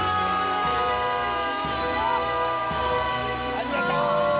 ありがとう！